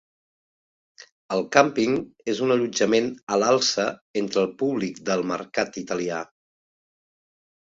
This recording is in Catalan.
El càmping és un allotjament a l'alça entre el públic del mercat italià.